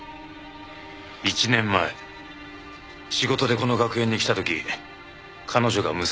１年前仕事でこの学園に来た時彼女が娘だと気づいたんだよな？